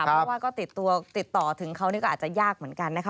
เพราะว่าก็ติดตัวติดต่อถึงเขานี่ก็อาจจะยากเหมือนกันนะคะ